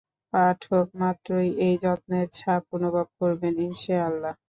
পাঠকমাত্রই এই যত্নের ছাপ অনুভব করবেন ইনশাআল্লাহ।